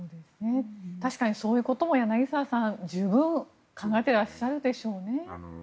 確かにそういうことも柳澤さん、十分考えていらっしゃるでしょうね。